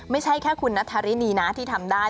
ไม่ใช่แค่คุณนัทธารินีนะที่ทำได้